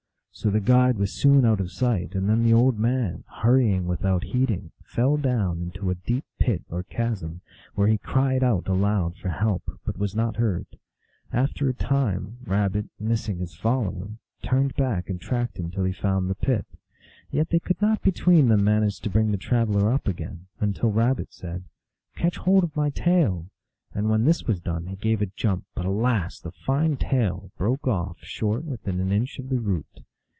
So the guide was soon out of sight, and then the old man, hurrying without heeding, fell down into a deep pit or chasm, where he cried out aloud for help, but was not heard. After a time, Rabbit, missing his follower, turned back and tracked him till he found the pit. Yet they could not between them manage to bring the traveler up again, until Rabbit said, " Catch hold of my tail ;" and when this was done he gave a jump, but alas ! the fine tail broke off short within an inch of the root.